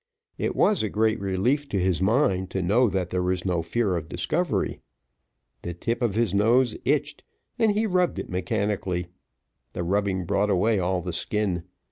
It was a great relief to his mind to know that there was no fear of discovery. The tip of his nose itched, and he rubbed it mechanically; the rubbing brought away all the skin.